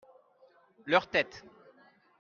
leur tête.